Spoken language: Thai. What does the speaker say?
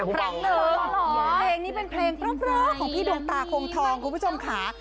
เครงนี้เป็นเครงของพี่ดวงตาโคงทองครูผู้ชมค่ะ